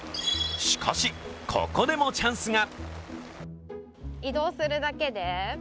しかし、ここでもチャンスが。